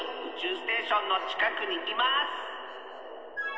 ステーションのちかくにいます！